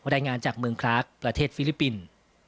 รายงานจากเมืองคลากประเทศฟิลิปปินส์